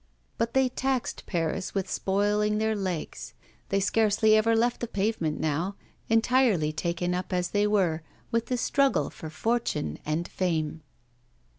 But they taxed Paris with spoiling their legs; they scarcely ever left the pavement now, entirely taken up as they were with their struggle for fortune and fame.